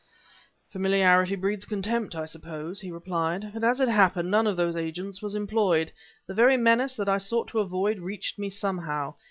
"Familiarity breeds contempt, I suppose," he replied. "But as it happened none of those agents was employed. The very menace that I sought to avoid reached me somehow.